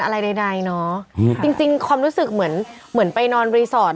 อะไรใดใดเนอะจริงจริงความรู้สึกเหมือนเหมือนไปนอนรีสอร์ท